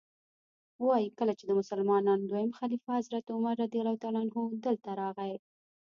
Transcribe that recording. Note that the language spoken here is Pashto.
وایي کله چې د مسلمانانو دویم خلیفه حضرت عمر رضی الله عنه دلته راغی.